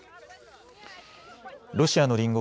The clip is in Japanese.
ロシアの隣国